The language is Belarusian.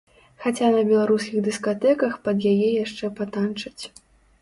Хаця на беларускіх дыскатэках пад яе яшчэ патанчаць.